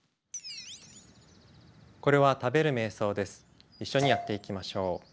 これは一緒にやっていきましょう。